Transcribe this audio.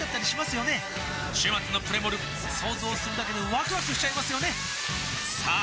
週末のプレモル想像するだけでワクワクしちゃいますよねさあ